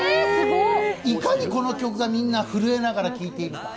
いかにこの曲がみんな震えながら聴いているか。